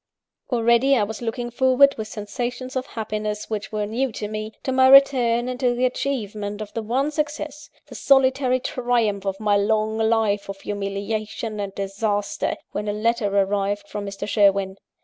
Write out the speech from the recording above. Already, I was looking forward, with sensations of happiness which were new to me, to my return and to the achievement of the one success, the solitary triumph of my long life of humiliation and disaster, when a letter arrived from Mr. Sherwin.